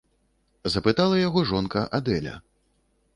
- запытала яго жонка Адэля.